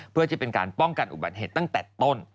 เพื่อจะเป็นการป้องกันอุบัติเหตุตั้งแต่ต้น